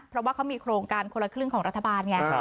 เพราะว่าเขามีโครงการคนละครึ่งของรัฐบาลไง